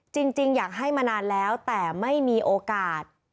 จริงอยากให้มานานแล้วแต่ไม่มีโอกาส